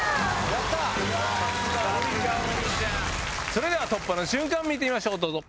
それでは突破の瞬間見てみましょうどうぞ。